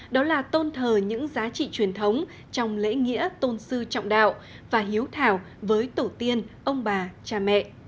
đó là tôn thờ những giá trị truyền thống trong lễ nghĩa tôn sư trọng đạo và hiếu thảo với tổ tiên ông bà cha mẹ